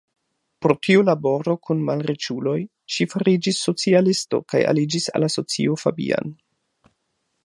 Pro tiu laboro kun malriĉuloj, ŝi fariĝis socialisto kaj aliĝis al la Socio Fabian.